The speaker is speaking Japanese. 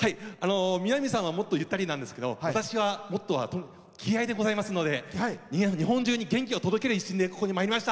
三波さんはもっと、ゆったりなんですけど私は気合いでございますので日本中に元気を届ける一心でここに来ました。